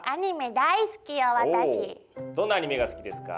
どんなアニメが好きですか？